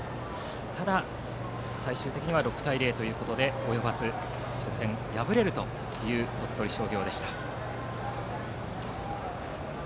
ただ、最終的には６対０ということで及ばず初戦で敗れるという鳥取商業でした。